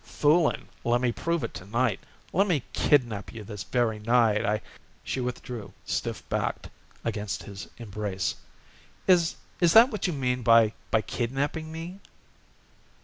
"Fooling! Lemme prove it, to night. Lemme kidnap you this very night. I " She withdrew stiff backed against his embrace. "Is is that what you mean by by kidnapping me?"